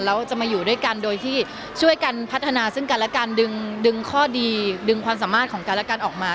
แล้วจะมาอยู่ด้วยกันโดยที่ช่วยกันพัฒนาซึ่งกันและการดึงข้อดีดึงความสามารถของกันและกันออกมา